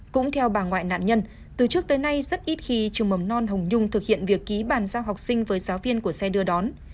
cũng theo bà ngoại nạn nhân từ trước tới nay rất ít khi trường mầm non hồng nhung thực hiện việc ký bàn giao học sinh với giáo viên của xe đưa đón